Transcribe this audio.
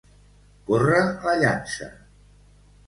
Córrer la llança.